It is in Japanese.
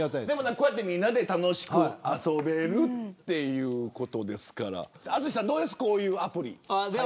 こうやってみんなで楽しく遊べるということですから淳さん、どうですこういうアプリ。